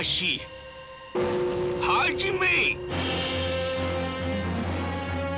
始め！